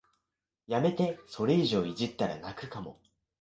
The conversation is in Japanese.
やめて、それ以上いじったら泣くかも